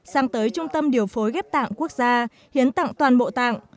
sang tới trung tâm điều phối ghép tạng quốc gia hiến tặng toàn bộ tạng